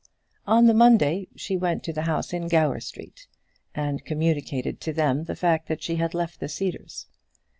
On the Monday she went to the house in Gower Street, and communicated to them the fact that she had left the Cedars.